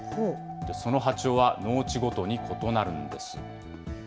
その波長は農地ごとに異なるんです。